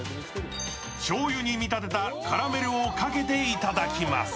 しょうゆに見立てたカラメルをかけていただきます。